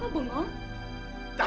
kenapa kok bengong